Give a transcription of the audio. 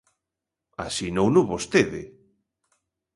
Asinouno vostede.